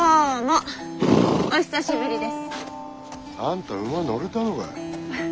あんた馬乗れたのか。